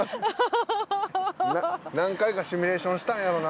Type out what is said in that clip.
何回かシミュレーションしたんやろな